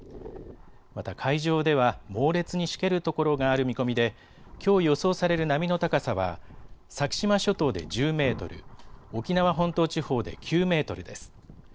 また海上では猛烈にしけるところがある見込みできょう予想される波の高さは先島諸島で１０メートル、沖縄本島地方で９メートルです。